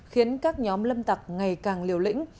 khiến các nhóm lâm tặc ngày càng liều lĩnh